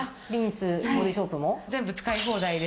全部使い放題で。